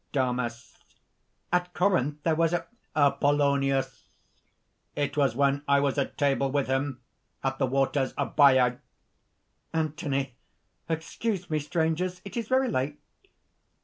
DAMIS. "At Corinth there was a ..." APOLLONIUS. "It was when I was at table with him, at the waters of Baia ..." ANTHONY. "Excuse me, strangers it is very late